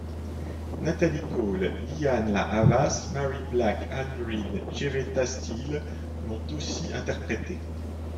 Natalie Cole, Lianne La Havas, Mary Black, Al Green, Jevetta Steele... l'ont aussi interprétée.